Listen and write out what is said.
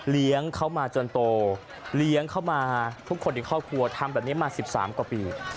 เลี้ยงเขามาจนโตเท่าที่เค้ามาทุกคนที่เข้าครัวทำแบบนี้มา๑๓กว่าปี